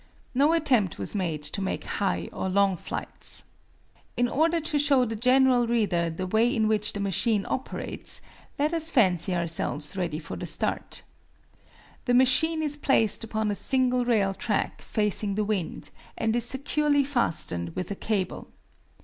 No attempt was made to make high or long flights. In order to show the general reader the way in which the machine operates, let us fancy ourselves ready for the start. The machine is placed upon a single rail track facing the wind, and is securely fastened with a cable.